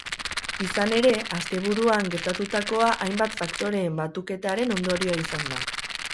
Izan ere, asteburuan gertatutakoa hainbat faktoreen batuketaren ondorioa izan da.